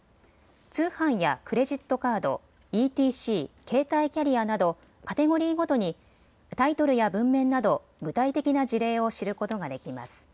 通販やクレジットカード、ＥＴＣ、携帯キャリアなどカテゴリーごとに、タイトルや文面など具体的な事例を知ることができます。